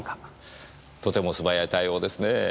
とても素早い対応ですねぇ。